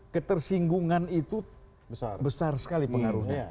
ketersinggungan itu besar sekali pengaruhnya